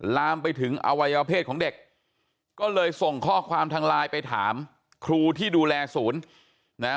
ลามไปถึงอวัยวเพศของเด็กก็เลยส่งข้อความทางไลน์ไปถามครูที่ดูแลศูนย์นะฮะ